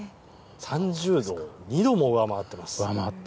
３０度を２度も上回っています。